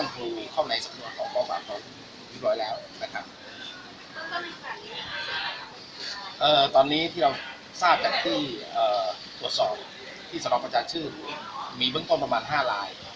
ตอนนี้ที่เราทราบจากที่ตรวจสอบที่สนประชาชื่นมีเบื้องต้นประมาณ๕ลาย